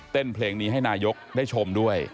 เพลงนี้ให้นายกได้ชมด้วย